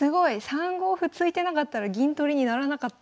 ３五歩突いてなかったら銀取りにならなかったのに。